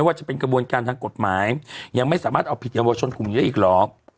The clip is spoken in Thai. ไม่ว่าจะเป็นกระบวนการทางกฎหมายยังไม่สามารถเอาผิดอย่างบ่ชนคุมนี้ได้อีกหรอก